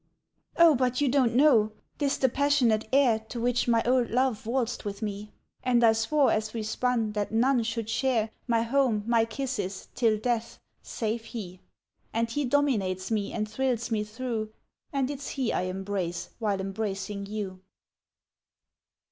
"O but you don't know! 'Tis the passionate air To which my old Love waltzed with me, And I swore as we spun that none should share My home, my kisses, till death, save he! And he dominates me and thrills me through, And it's he I embrace while embracing you!"